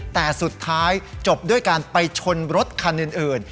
แต่สุดท้ายจบด้วยการไปชนรถคันอื่น